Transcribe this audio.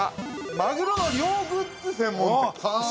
マグロの漁グッズ専門店。